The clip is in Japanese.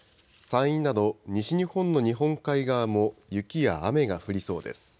山陰など西日本の日本海側も雪や雨が降りそうです。